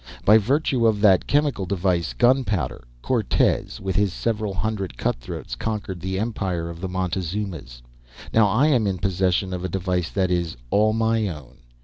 By virtue of that chemical device, gunpowder, Cortes with his several hundred cut throats conquered the empire of the Montezumas. Now I am in possession of a device that is all my own.